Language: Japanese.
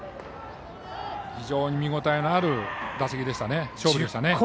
非常に見応えのある勝負でした。